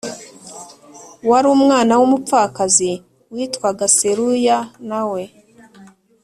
wari umwana w umupfakazi witwaga Seruya na we